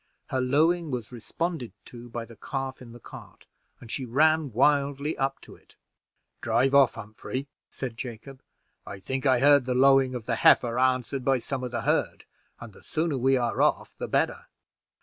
Her lowing was responded to by the calf in the cart, and she ran wildly up to it. "Drive off, Humphrey," said Jacob; "I think I heard the lowing of the heifer answered by some of the herd, and the sooner we are off the better."